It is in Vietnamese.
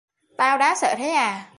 Tao đáng sợ thế à